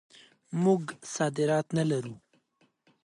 موږ صادرات نه لرو.